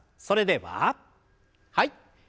それでははい。